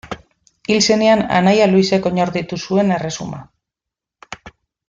Hil zenean, anaia Luisek oinordetu zuen erresuma.